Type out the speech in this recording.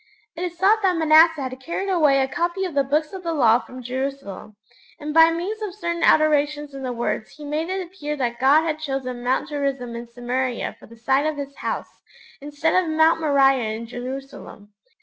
It is thought that Manasseh had carried away a copy of the Books of the Law from Jerusalem, and by means of certain alterations in the words he made it appear that God had chosen Mount Gerizim in Samaria for the site of His House, instead of Mount Moriah in Jerusalem.